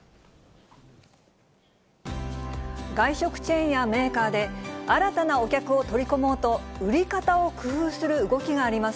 外食チェーンやメーカーで、新たなお客を取り込もうと、売り方を工夫する動きがあります。